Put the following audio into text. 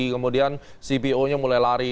kemudian cpo nya mulai lari